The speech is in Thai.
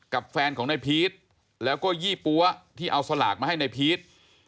แฟนของนายพีชแล้วก็ยี่ปั๊วที่เอาสลากมาให้ในพีช